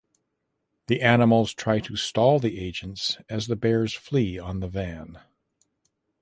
The animals try to stall the agents as the Bears flee on the van.